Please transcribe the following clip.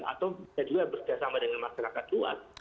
atau bersama dengan masyarakat luas